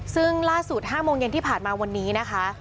ซึ่งล่าสุด๕โมงเย็นที่ผ่านมาวันนี้นะคะ